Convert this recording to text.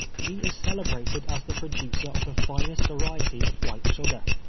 He is celeljrated as the producer of the finest variety of white sugar.